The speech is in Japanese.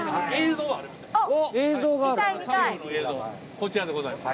こちらでございます。